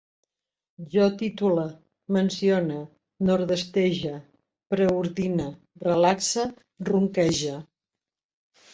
Jo titule, mencione, nordestege, preordine, relaxe, ronquege